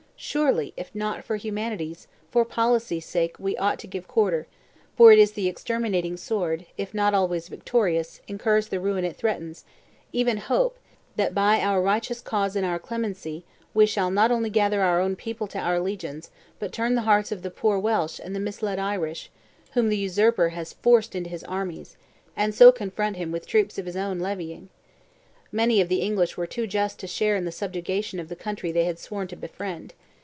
Surely, if not for humanity's, for policy's sake we ought to give quarter; for the exterminating sword, if not always victorious, incurs the ruin it threatens, even hope, that by or righteous cause and our clemency, we shall not only gather our own people to our legions but turn the hearts of the poor Welsh and the misled Irish, whom the usurper has forced into his armies, and so confront him with troops of his own levying. Many of the English were too just to share in the subjugation of the country they had sworn to befriend.